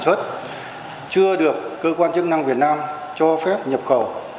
thứ nhất chưa được cơ quan chức năng việt nam cho phép nhập khẩu